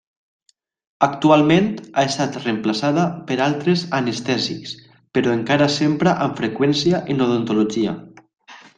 Actualment ha estat reemplaçada per altres anestèsics però encara s’empra amb freqüència en odontologia.